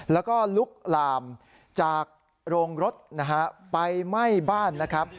แล้วก็ลุกลามจากโรงรถนะฮะไฟไหม้บ้านนะครับ